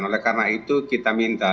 oleh karena itu kita minta